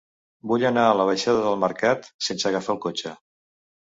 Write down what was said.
Vull anar a la baixada del Mercat sense agafar el cotxe.